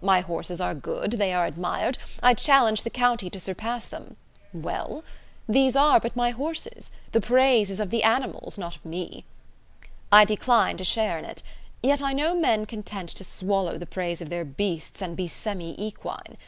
My horses are good, they are admired, I challenge the county to surpass them: well? These are but my horses; the praise is of the animals, not of me. I decline to share in it. Yet I know men content to swallow the praise of their beasts and be semi equine.